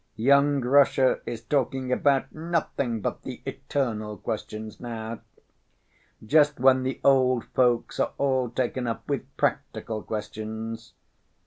Young Russia is talking about nothing but the eternal questions now. Just when the old folks are all taken up with practical questions.